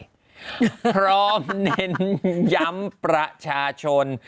พร้อมเน้นย้ำประชาชน